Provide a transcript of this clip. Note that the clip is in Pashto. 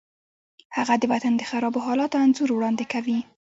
هغه د وطن د خرابو حالاتو انځور وړاندې کوي